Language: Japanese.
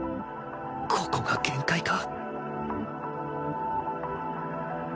ここが限界か